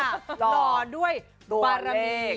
รอด้วยปราณี